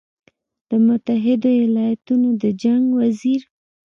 د متحدو ایالتونو د جنګ وزیر